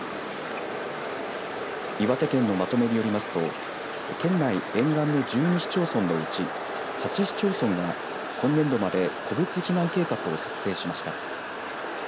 岩手県のまとめによりますと県内沿岸の１２市町村のうち８市町村が今年度まで個別避難計画を作成しました。